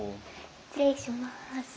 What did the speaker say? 失礼します。